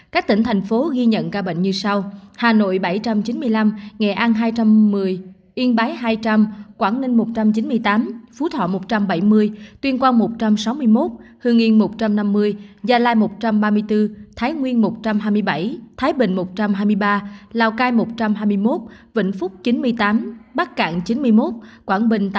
các tỉnh thành phố ghi nhận ca bệnh như sau